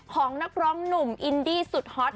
ของนักร้องหนุ่มอินดี้สุดฮอต